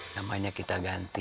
namanya kita ganti